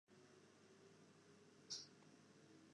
De delsetting waard rekke by loftoanfallen.